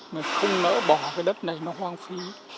mà không nỡ bỏ cái đất này nó hoang phí